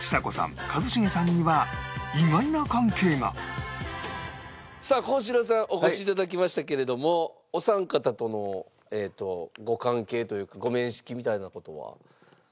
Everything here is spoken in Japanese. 一茂さんにはさあ幸四郎さんお越し頂きましたけれどもお三方とのご関係というかご面識みたいな事は？